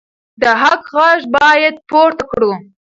د حق غږ باید پورته کړو.